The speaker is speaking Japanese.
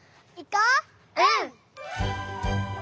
うん！